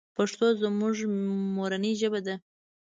پښتو زمونږ مورنۍ ژبه ده.